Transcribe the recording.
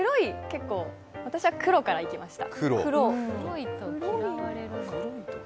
私は黒からいきました。